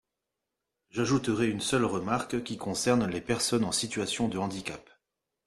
J’ajouterai une seule remarque, qui concerne les personnes en situation de handicap.